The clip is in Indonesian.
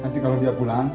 nanti kalau dia pulang